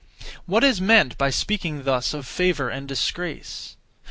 What is meant by speaking thus of favour and disgrace?